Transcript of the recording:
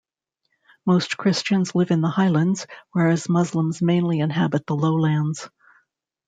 Most Christians live in the highlands, whereas Muslims mainly inhabit the lowlands.